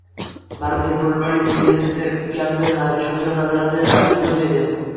ভারতের ফুলবাড়ী বিএসএফ ক্যাম্পের নারী সদস্যরা তাঁদের হাতে রাখী পরিয়ে দেন।